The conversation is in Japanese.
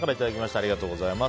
ありがとうございます。